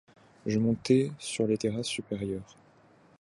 Je montai sur les terrasses supérieures.